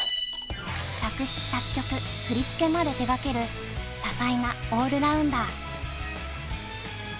作詞作曲振り付けまで手がける多彩なオールラウンダー。